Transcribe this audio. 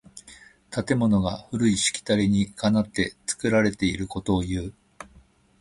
建物が古いしきたりにかなって作られていることをいう。